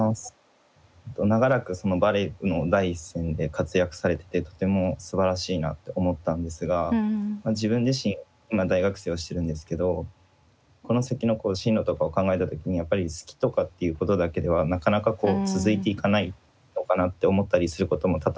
長らくバレエの第一線で活躍されててとてもすばらしいなって思ったんですが自分自身今大学生をしてるんですけどこの先の進路とかを考えた時にやっぱり好きとかっていうことだけではなかなか続いていかないのかなって思ったりすることも多々あるんですね。